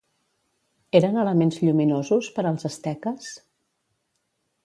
Eren elements lluminosos, per als asteques?